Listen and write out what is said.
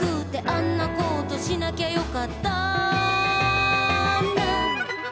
「あんなことしなきゃよかったな」